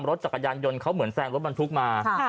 รถจักรยานยนต์เขาเหมือนแซงรถบรรทุกมา